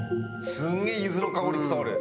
すげえゆずの香り伝わる。